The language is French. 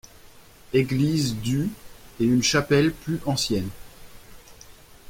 Église du et une chapelle plus ancienne.